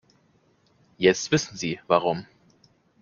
Jetzt wissen Sie, warum.